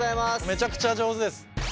めちゃくちゃ上手です。